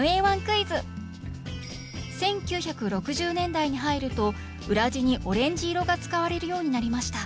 １９６０年代に入ると裏地にオレンジ色が使われるようになりました。